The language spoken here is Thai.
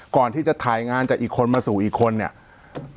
ก่อนที่จะถ่ายงานจากอีกคนมาสู่อีกคนเนี่ย